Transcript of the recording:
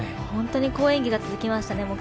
本当に好演技が続きましたね。